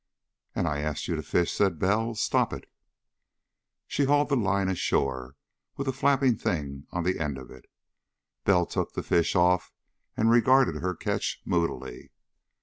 "And I asked you to fish!" said Bell. "Stop it!" She hauled the line ashore, with a flapping thing on the end of it. Bell took the fish off and regarded her catch moodily.